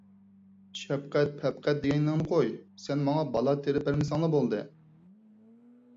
شەپقەت - پەپقەت دېگىنىڭنى قوي، سەن ماڭا بالا تېرىپ بەرمىسەڭلا بولدى.